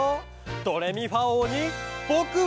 ドレミファおうにぼくはなる！